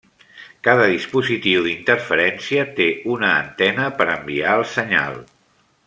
Cada dispositiu d'interferència té una antena per enviar el senyal.